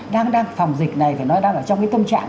đang phòng dịch này phải nói là đang trong cái tâm trạng